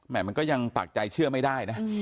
มันก็ยังปากใจเชื่อไม่ได้นะ